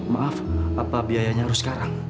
maaf apa biayanya harus sekarang